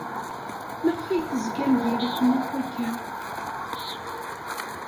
Maɣef ay tezgam diri-ken akka?